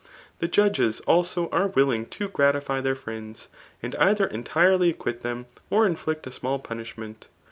The judges, also, are willing to gratii^ their friends, and either entirely acquit them, or inflict f small punishment.